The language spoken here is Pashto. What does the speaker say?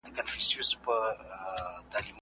حقایق باید په منظمه توګه جمع سي.